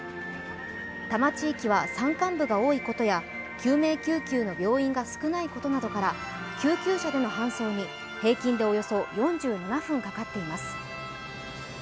多摩地域は山間部が多いことや救命救急の病院が少ないことなどから救急車での搬送に平均でおよそ４７分かかっています。